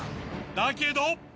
だけど。